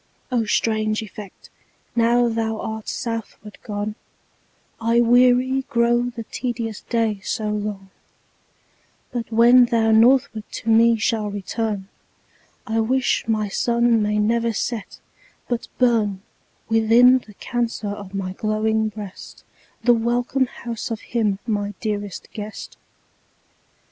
O strange effect! now thou art southward gone, I weary grow the tedious day so long; But when thou northward to me shalt return, I wish my Sun may never set, but burn Within the Cancer of my glowing breast, The welcome house of him my dearest guest.